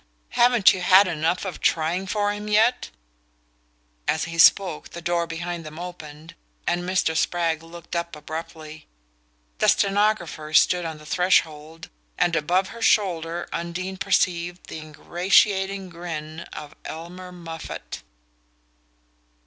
Haven't you had enough of trying for him yet?" As he spoke the door behind them opened, and Mr. Spragg looked up abruptly. The stenographer stood on the threshold, and above her shoulder Undine perceived the ingratiating grin of Elmer Moffatt.